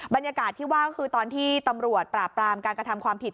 บรรยากาศที่ว่าก็คือตอนที่ตำรวจปราบปรามการกระทำความผิด